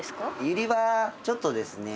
ユリはちょっとですね